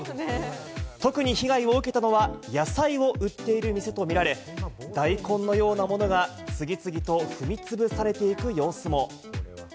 特に被害を受けたのは野菜を売っている店と見られ、大根のようなものが次々と踏み潰されていく様子も。